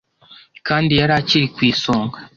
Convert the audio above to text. Kandi yari akiri ku isonga.